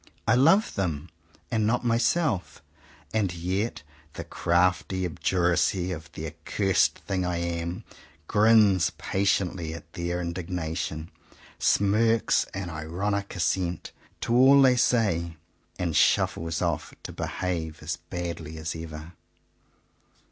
I love them, and not myself. And yet the crafty obduracy of the accursed thing I am, grins patiently at their indignation, smirks an ironic assent to all they say, and shuffles off to behave as badly as ever.